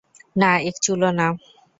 না, এক চুলও না!